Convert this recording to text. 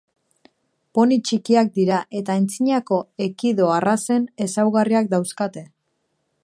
Poni txikiak dira eta antzinako ekido arrazen ezaugarriak dauzkate.